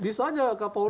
bisa saja kak pauli